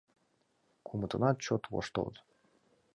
Кумытынат чот воштылыт.